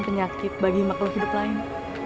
penyakit bagi makhluk hidup lain